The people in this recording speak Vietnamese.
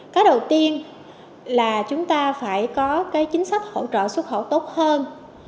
cái đầu tiên là chúng ta phải có cái chính sách hỗ trợ xuất khẩu tốt hơn